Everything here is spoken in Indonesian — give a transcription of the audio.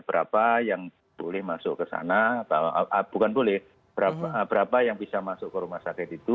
berapa yang boleh masuk ke sana bahwa bukan boleh berapa yang bisa masuk ke rumah sakit itu